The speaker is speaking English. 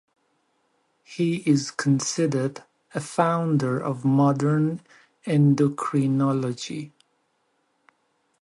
He is considered a founder of modern endocrinology.